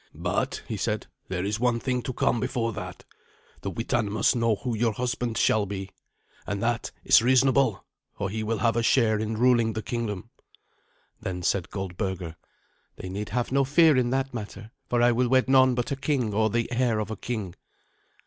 "But," he said, "there is one thing to come before that. The Witan must know who your husband shall be. And that is reasonable, for he will have a share in ruling the kingdom." Then said Goldberga, "They need have no fear in that matter, for I will wed none but a king or the heir of a king."